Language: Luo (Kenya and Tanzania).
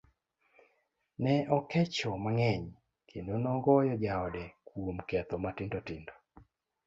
ne okecho mang'eny kendo nogoyo jaode kuom ketho matindo tindo